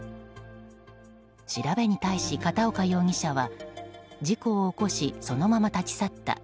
調べに対し、片岡容疑者は事故を起こしそのまま立ち去った。